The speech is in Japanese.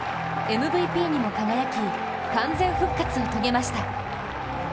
ＭＶＰにも輝き、完全復活を遂げました。